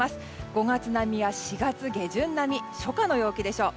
５月並みや４月下旬並み初夏の陽気でしょう。